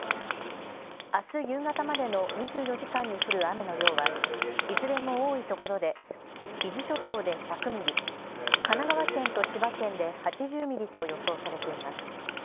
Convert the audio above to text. あす夕方までの２４時間に降る雨の量はいずれも多いところで伊豆諸島で１００ミリ、神奈川県と千葉県で８０ミリと予想されています。